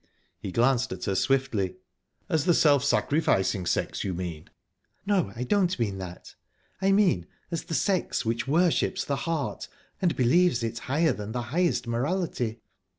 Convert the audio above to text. He glanced at her swiftly. "As the self sacrificing sex, you mean?" "No, I don't mean that. I mean, as the sex which worships the heart, and believes it higher than the highest morality."